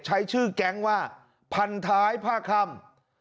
ใช้ชื่อแก๊งว่าพันท้ายผ้าค่ำ